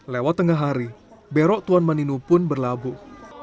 lewat tengah hari berok tuan maninu pun berlabuh